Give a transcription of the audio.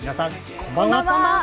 こんばんは。